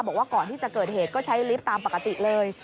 บอกว่าก่อนที่จะเกิดเหตุก็ใช้ลิฟต์ตามปกติเลย